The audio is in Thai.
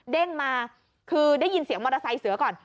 เด้งมาคือได้ยินเสียงมอเทพไซส์เสือก่อน